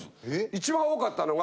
一番多かったのが。